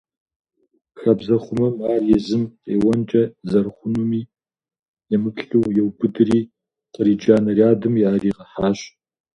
Хабзэхъумэм, ар езым къеуэнкӀэ зэрыхъунуми емыплъу, иубыдри, къриджа нарядым яӀэригъэхьащ.